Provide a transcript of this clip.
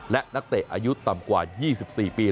และนักเตะอายุต่ำกว่า๒๔ปี